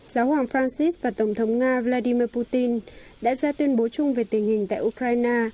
giáo hoàng francis và tổng thống nga vladimir putin đã ra tuyên bố chung về tình hình tại ukraine